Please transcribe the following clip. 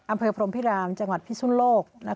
อำเภพรมพิรามจังหวัดพิศลโลก